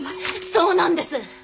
そうなんです。